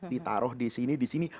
ditaruh di sini di sini